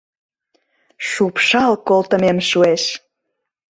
Шупшал колтымем шуэш!